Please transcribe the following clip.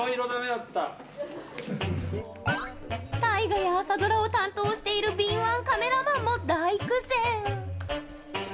大河や朝ドラを担当している敏腕カメラマンも大苦戦。